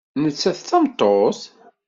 Nettat d tameṭṭut?